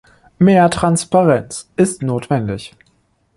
Mehr Transparenz ist notwendig.